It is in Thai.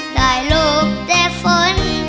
ได้รูปแต่ฝน